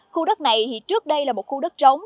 khu đất này thì trước đây là một khu đất trống